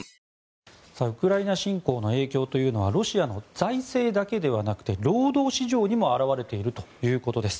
ウクライナ侵攻の影響というのはロシアの財政だけではなくて労働市場にも表れているということです。